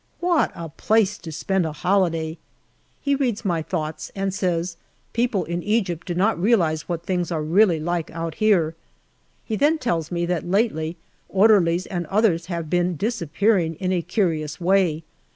What a place to spend a holiday ! He reads my thoughts, and says, " People in Egypt do not realize what things are really like out here." He then tells me that lately orderlies and others have been disappearing in a curious way.